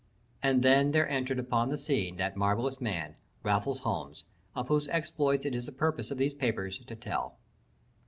And then there entered upon the scene that marvelous man, Raffles Holmes, of whose exploits it is the purpose of these papers to tell.